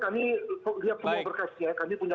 kami lihat semua berkasnya kami punya